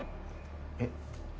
えっ。